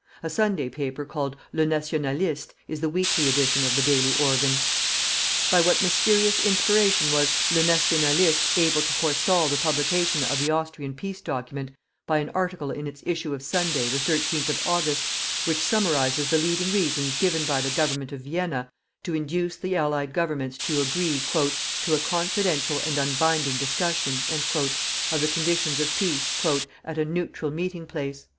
A Sunday paper called "Le Nationaliste" is the weekly edition of the daily organ. By what mysterious inspiration was "Le Nationaliste" able to forestall the publication of the Austrian peace document by an article in its issue of Sunday, the 13th of August, which summarizes the leading reasons given by the Government of Vienna to induce the Allied Governments to agree "to a confidential and unbinding discussion" of the conditions of peace, "at a neutral meeting place?"